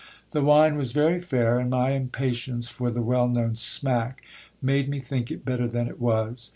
The wine was very fair, and my impatience for the well known smack made me think it better than it was.